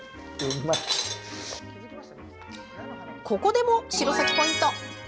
ここでも城咲ポイント。